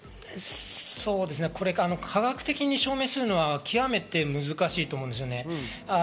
科学的に証明するのは極めて難しいと思うんです。